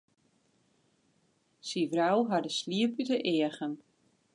Sy wreau har de sliep út de eagen.